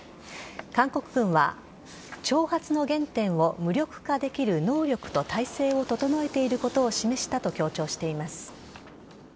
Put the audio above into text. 韓国軍は挑発の原点を無力化できる能力と態勢を整えていることを示したと強調しています。